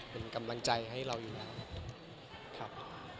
เป็นกำลังใจให้เราอยู่แล้วครับ